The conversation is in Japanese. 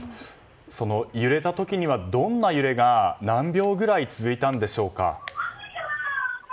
揺れた時にはどんな揺れが何秒ぐらい続いたんでしょうか。